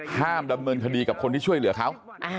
ห้ามดำเนินคดีกับคนที่ช่วยเหลือเขา